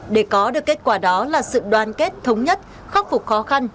để có được kết quả đó là sự đoàn kết thống nhất khắc phục khó khăn